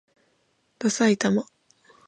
ださいたま